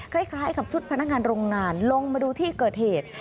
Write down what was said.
คล้ายกับชุดพนักงานโรงงานลงมาดูที่เกิดเหตุ